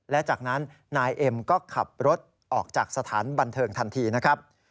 และจากนั้นนายเอ็มก็ขับรถออกจากสถานบันเทิงทันทีนะครับ